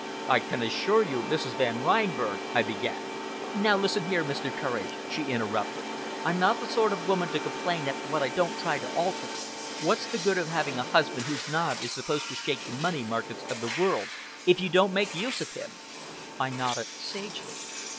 "I can assure you, Mrs. Van Reinberg " I began. "Now listen here, Mr. Courage," she interrupted. "I'm not the sort of woman to complain at what I don't try to alter. What's the good of having a husband whose nod is supposed to shake the money markets of the world, if you don't make use of him?" I nodded sagely.